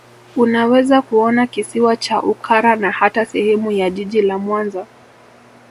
Unaweza kuona Kisiwa cha Ukara na hata sehemu ya Jiji la Mwanza